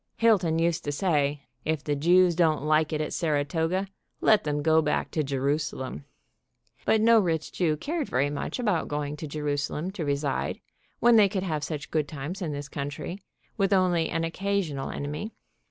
Hilton used to say, "If the Jews don't like it at Saratoga, let them go back to Jerusalem," but no rich Jew cared very much about going to Jerusalem to reside, when they could have such good times in this country, with only an occasional enemy.